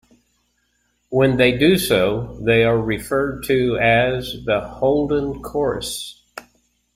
When they do so, they are referred to as The Holden Chorus.